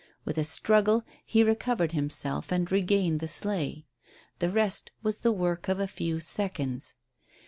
With a struggle he recovered himself and regained the sleigh. The rest was the work of a few seconds.